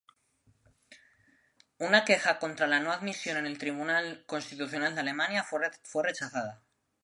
Una queja contra la no admisión en el Tribunal Constitucional de Alemania fue rechazada.